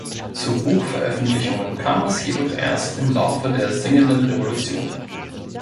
Zu Buchveröffentlichungen kam es jedoch erst im Laufe der Singenden Revolution.